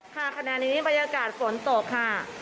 ขณะนี้บรรยากาศฝนตกค่ะ